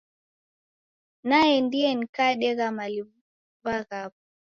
Naendie nikadegha maliw'a ghapo.